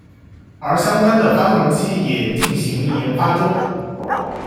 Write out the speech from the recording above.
而相关的发动机也进行研发中。